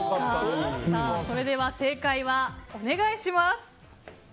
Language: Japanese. それでは正解をお願いします。